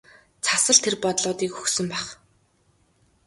Цас л тэр бодлуудыг өгсөн байх.